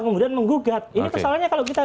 kemudian menggugat ini persoalannya kalau kita